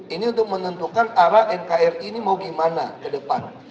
ini untuk menentukan arah nkri ini mau gimana ke depan